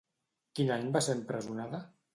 Quin any va ser empresonada?